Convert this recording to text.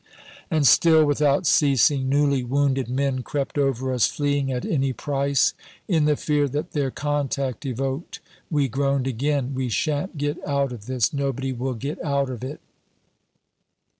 And still, without ceasing, newly wounded men crept over us, fleeing at any price. In the fear that their contact evoked we groaned again, "We shan't get out of this; nobody will get out of it."